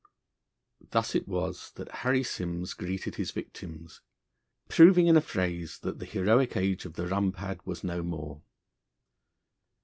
Thus it was that Harry Simms greeted his victims, proving in a phrase that the heroic age of the rumpad was no more.